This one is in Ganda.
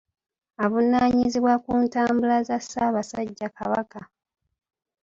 Avunaanyizibwa ku ntambula za Ssaabasajja Kabaka.